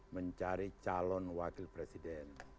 mencari calon wakil presiden